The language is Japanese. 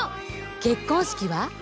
結婚式は？